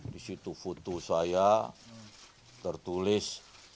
di situ foto saya tertulis